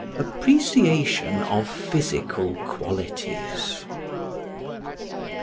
Appreciation of Physical Qualities.